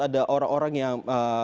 ada orang orang yang